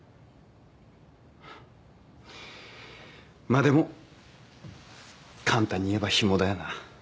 まあでも簡単に言えばひもだよな。